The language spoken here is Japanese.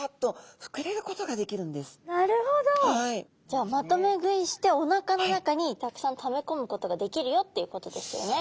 じゃあまとめ食いしておなかの中にたくさんためこむことができるよっていうことですよね？